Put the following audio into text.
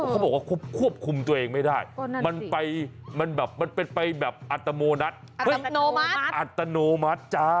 เขาบอกว่าควบคุมตัวเองไม่ได้มันเป็นไปแบบอัตโนมัติ